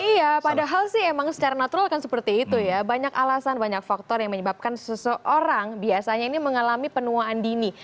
iya padahal sih emang secara natural kan seperti itu ya banyak alasan banyak faktor yang menyebabkan seseorang biasanya ini mengalami penuaan dini